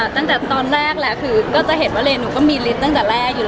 ต้องจัดการแพ้